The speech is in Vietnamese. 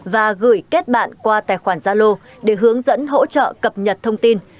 và gửi kết bạn qua tài khoản gia lô để hướng dẫn hỗ trợ cập nhật thông tin